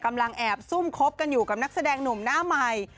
กำลังแอบซุ่มคบกันอยู่กับนักแสดงหนุ่มหน้าใหม่